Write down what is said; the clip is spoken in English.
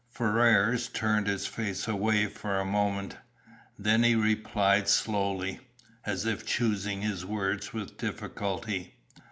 Ferrars turned his face away for a moment. Then he replied slowly, as if choosing his words with difficulty.